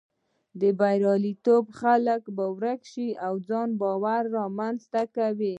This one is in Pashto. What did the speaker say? دا بریالیتوب په خلکو کې ورک شوی ځان باور رامنځته کوي.